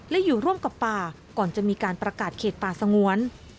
และอยู่ร่วมกับป่าก่อนจะมีการประกาศเขตป่าสงวน